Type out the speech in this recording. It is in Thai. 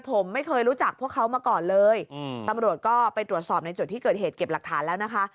ผมไม่เคยรู้จักพวกเขามาก่อนเลยตำรวจก็ไปตรวจสอบในจุดที่เกิดเหตุเก็บหลักฐานแล้วนะคะ